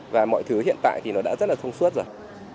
và mọi thứ hiện tại thì nó đã rất là thông suốt rồi